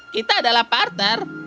kita adalah partner